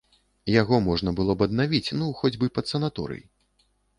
Яго можна было б аднавіць, ну, хоць бы пад санаторый.